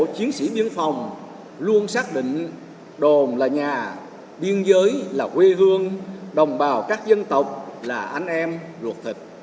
chiến sĩ biên phòng luôn xác định đồn là nhà biên giới là quê hương đồng bào các dân tộc là anh em ruột thịt